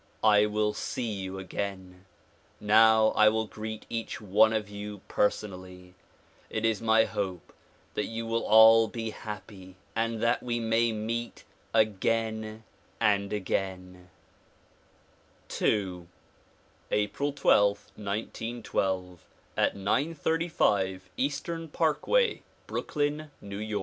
I will see you again. Now I will greet each one of you per sonally. It is my hope that you will all be happy and that we may meet again and again, II April J2th, 1912, at 935 Eastern Parkway, Brooklyn, N. Y.